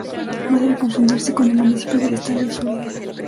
No debe confundirse con el municipio del estado Zulia.